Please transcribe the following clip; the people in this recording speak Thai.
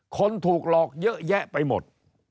คนถูกหลอกเยอะแยะไปหมด